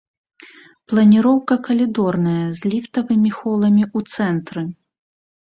Планіроўка калідорная з ліфтавымі холамі ў цэнтры.